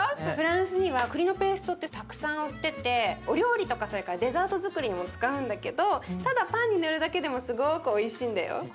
フランスにはくりのペーストってたくさん売っててお料理とかそれからデザートづくりにも使うんだけどただパンに塗るだけでもすごくおいしいんだよ。